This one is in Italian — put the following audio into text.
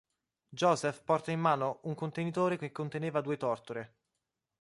Joseph porta in mano un contenitore che conteneva due tortore.